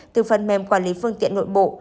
từ phần mềm quản lý phương tiện nội bộ